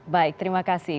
baik terima kasih